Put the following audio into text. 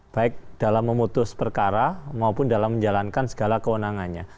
baik dalam memutus perkara maupun dalam menjalankan segala kewenangannya